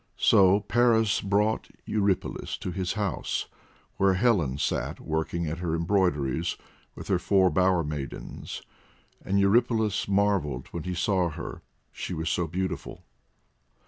So Paris brought Eurypylus to his house, where Helen sat working at her embroideries with her four bower maidens, and Eurypylus marvelled when he saw her, she was so beautiful.